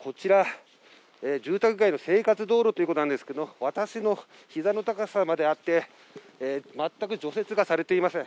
こちら、住宅街の生活道路ということなんですけれども、私のひざの高さまであって、全く除雪がされていません。